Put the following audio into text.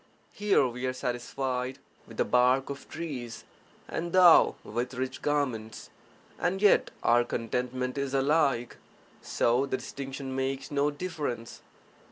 Here we are satisfied with the bark of trees and thou with rich garments; (and yet) our contentment is alike, (so) the distinction makes no difference.